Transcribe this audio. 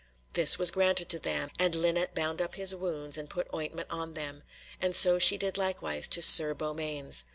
This was granted to them, and Linet bound up his wounds and put ointment on them, and so she did likewise to Sir Beaumains.